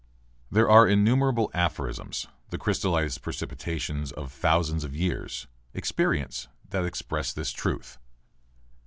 There are innumerable aphorisms, the crystallised precipitations of thousands of years, experience, that express this truth.